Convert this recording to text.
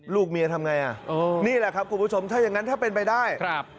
ลูกเมียทำไงอ่ะนี่แหละครับคุณผู้ชมถ้าอย่างนั้นถ้าเป็นไปได้ครับ